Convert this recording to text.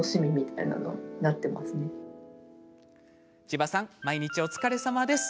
千葉さん、毎日お疲れさまです。